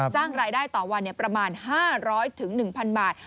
สร้างรายได้ต่อวันประมาณ๕๐๐๑๐๐บาท